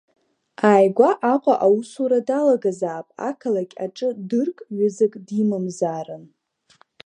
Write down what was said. Ааигәа Аҟәа аусура далагазаап, ақалақь аҿы дырк, ҩызак димамзаарын.